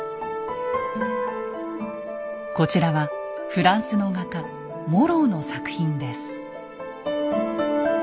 こちらはフランスの画家モローの作品です。